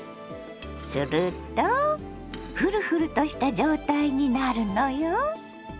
するとフルフルとした状態になるのよ！